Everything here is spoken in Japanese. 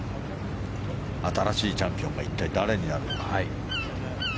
新しいチャンピオンが一体誰になるのか。